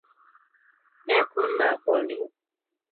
এখন না, পলি।